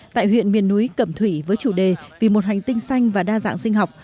tại huyện miền núi cẩm thủy với chủ đề vì một hành tinh xanh và đa dạng sinh học